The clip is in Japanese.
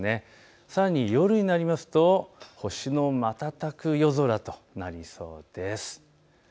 さらに夜になりますと星の瞬く夜空となりそうです。